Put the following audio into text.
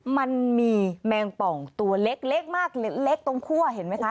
มันมีแมงป่องตัวเล็กมากเล็กตรงคั่วเห็นไหมคะ